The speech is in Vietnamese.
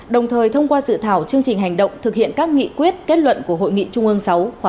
đồng thời thông qua dự thảo chương trình hành động thực hiện các nghị quyết kết luận của hội nghị trung ương sáu khóa một mươi hai